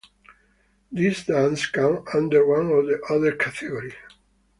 These dances come under one or the other category.